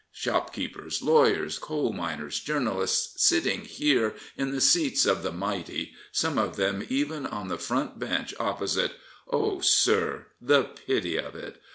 Shopkeepers, lawyers, coal miners, journalists, sitting here in the seats of the mighty, some of them even on the Front Bench opposite — oh, sir, the pity of it